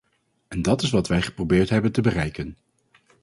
En dat is wat wij geprobeerd hebben te bereiken.